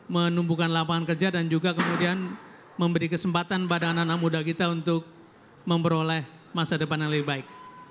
menumbuhkan lapangan kerja dan juga kemudian memberi kesempatan pada anak anak muda kita untuk memperoleh masa depan yang lebih baik